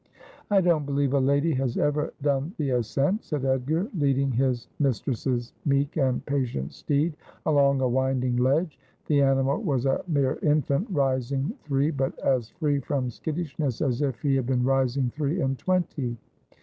' I don't believe a lady has ever done the ascent,' said Edgar, leading his mistress's meek and patient steed along a winding ledge. The animal was a mere infant, rising three, but as free from skittishness as if he had been rising three and twenty.